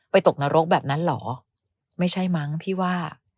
ตกนรกแบบนั้นเหรอไม่ใช่มั้งพี่ว่า